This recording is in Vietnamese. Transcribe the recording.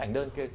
ảnh đơn kia